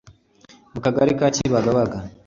mu Kagali ka Kibagabaga